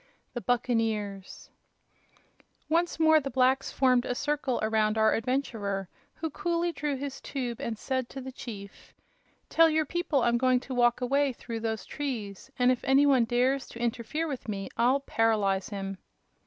The Buccaneers Once more the blacks formed a circle around our adventurer, who coolly drew his tube and said to the chief: "Tell your people I'm going to walk away through those trees, and if any one dares to interfere with me I'll paralyze him."